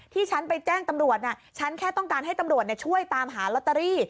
ที่ฉันไปแจ้งตำรวจฉันแค่ต้องการให้ตำรวจช่วยตามหาลอตเตอรี่